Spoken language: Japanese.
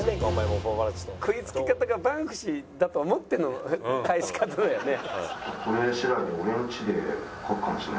食い付き方がバンクシーだと思っての返し方だよね。